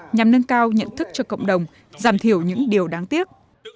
nhằm nâng cao nhận thức cho cộng đồng giảm thiểu những điều đáng tiếc